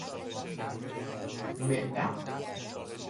معدم